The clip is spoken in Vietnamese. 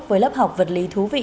với lớp học vật lý thú vị